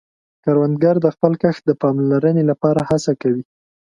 کروندګر د خپل کښت د پاملرنې له پاره هڅه کوي